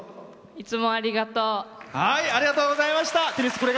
いつもありがとう。